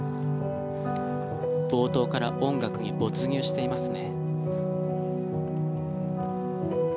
冒頭から音楽に没入していますね。